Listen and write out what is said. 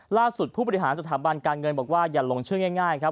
ผู้บริหารสถาบันการเงินบอกว่าอย่าลงชื่อง่ายครับ